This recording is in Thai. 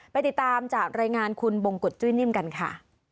ติดตามจากรายงานคุณบงกฎจุ้ยนิ่มกันค่ะ